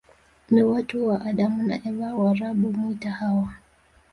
Ni watoto wa Adamu na Eva Waarabu humuita Hawa